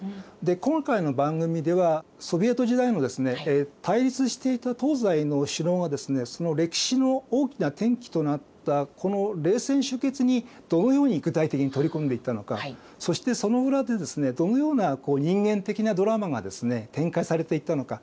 今回の番組ではソビエト時代のですね対立していた東西の首脳がですねその歴史の大きな転機となったこの冷戦終結にどのように具体的に取り組んでいったのかそしてその裏でどのような人間的なドラマが展開されていったのか。